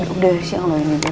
udah siang lo ini dia